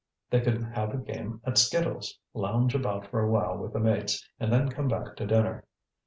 They could have a game at skittles, lounge about for a while with the mates, and then come back to dinner.